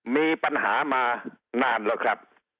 มีปัญหามานานแล้วครับ